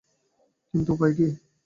কিন্তু উপায় কি?